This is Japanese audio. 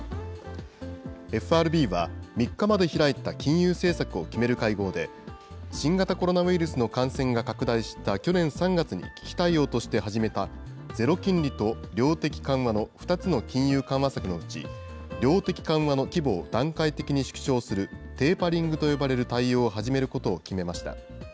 ＦＲＢは、３日まで開いた金融政策を決める会合で、新型コロナウイルスの感染が拡大した去年３月に危機対応として始めたゼロ金利と量的緩和の２つの金融緩和策のうち、量的緩和の規模を段階的に縮小する、テーパリングと呼ばれる対応を始めることを決めました。